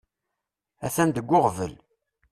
Atan deg uɣbel.